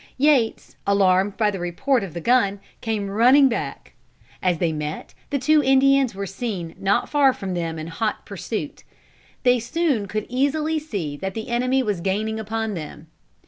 Yates, alarmed by the report of the gun, came running back. As they met, the two Indians were seen not far from them in hot pursuit. They soon could easily see that the enemy was gaining upon them.